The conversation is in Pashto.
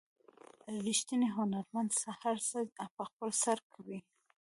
ریښتینی هنرمند هر څه په خپل سر کوي.